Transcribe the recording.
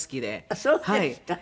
あっそうですか。